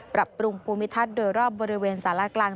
ปรับปรุงภูมิทัศน์โดยรอบบริเวณสารกลาง